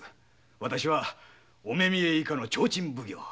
私はお目見得以下の提灯奉行。